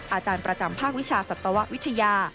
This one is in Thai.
อาจารย์ประจำภาควิชาสัตววิทยา